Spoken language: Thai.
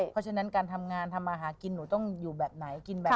เพราะฉะนั้นการทำงานทำอาหารกินหนูต้องอยู่แบบไหนกินแบบไหน